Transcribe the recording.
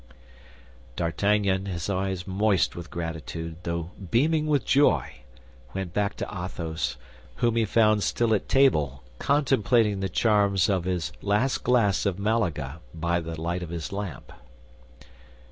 D'Artagnan, his eye moist with gratitude though beaming with joy, went back to Athos, whom he found still at table contemplating the charms of his last glass of Malaga by the light of his lamp.